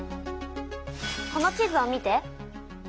この地図を見て。